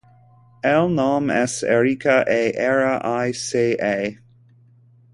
El nom és Erica: e, erra, i, ce, a.